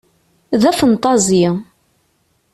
D afenṭazi.